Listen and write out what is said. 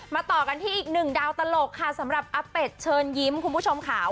ต่อกันที่อีกหนึ่งดาวตลกค่ะสำหรับอาเป็ดเชิญยิ้มคุณผู้ชมค่ะ